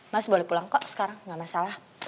mas boleh pulang kok sekarang nggak masalah